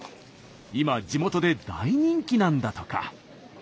今地元で大人気なんだとか。